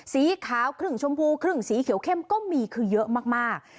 สีขาวครึ่งชมพูครึ่งสีเขียวเข้มก็มีคือเยอะมาก